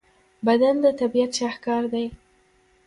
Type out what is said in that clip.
بدن د طبیعت شاهکار دی.